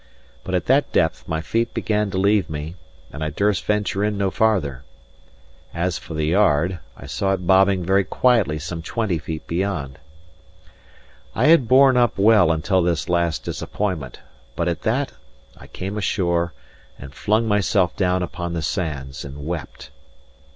But at that depth my feet began to leave me, and I durst venture in no farther. As for the yard, I saw it bobbing very quietly some twenty feet beyond. I had borne up well until this last disappointment; but at that I came ashore, and flung myself down upon the sands and wept.